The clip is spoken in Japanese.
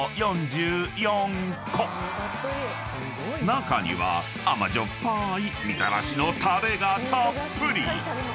［中には甘じょっぱーいみたらしのたれがたっぷり！］